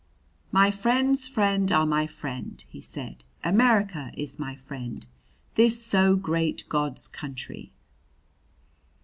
"My friend's friend are my friend," he said. "America is my friend this so great God's country!"